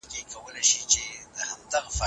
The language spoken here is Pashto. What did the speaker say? د کلي خلک په یو بل ډېر باور لري.